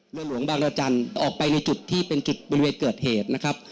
หลวงบางรจันทร์ออกไปในจุดที่เป็นจุดบริเวณเกิดเหตุนะครับ